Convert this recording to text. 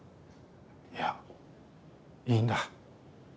いやいいんだ。